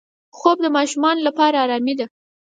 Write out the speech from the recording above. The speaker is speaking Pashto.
خوب د ماشوم لپاره آرامي ده